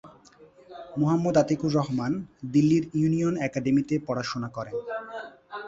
মোহাম্মদ আতিকুর রহমান, দিল্লির ইউনিয়ন একাডেমিতে পড়াশোনা করেন।